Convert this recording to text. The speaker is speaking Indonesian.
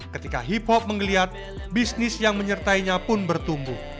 ketika hip hop menggeliat bisnis yang menyertainya pun bertumbuh